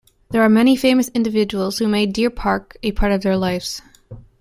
There are many famous individuals who made Deer Park a part of their lives.